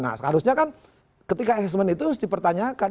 nah seharusnya kan ketika assessment itu dipertanyakan